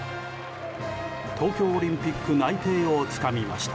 東京オリンピック内定をつかみました。